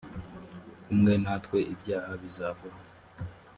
kumwe natwe ibyaha bizavaho